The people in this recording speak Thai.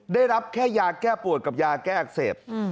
ได้รับแค่ยาแก้ปวดกับยาแก้อักเสบ